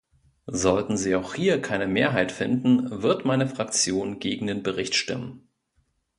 Sollten sie auch hier keine Mehrheit finden, wird meine Fraktion gegen den Bericht stimmen.